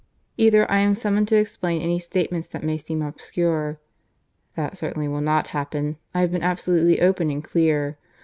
Either I am summoned to explain any statements that may seem obscure. (That certainly will not happen. I have been absolutely open and clear.)